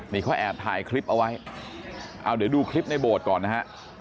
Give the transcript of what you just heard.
นี่เขาแอบถ่ายคลิปเอาไว้เอาเดี๋ยวดูคลิปในโบสถ์ก่อนนะฮะ